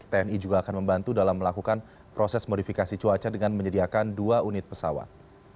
tni juga akan membantu dalam melakukan proses modifikasi cuaca dengan menyediakan dua unit pesawat